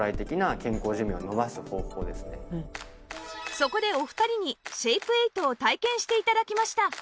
そこでお二人にシェイプエイトを体験して頂きました